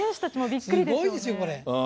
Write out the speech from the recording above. すごいですよ、これ。